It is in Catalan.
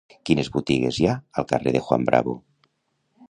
Quines botigues hi ha al carrer de Juan Bravo?